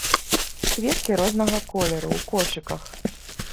Кветкі рознага колеру, у кошыках.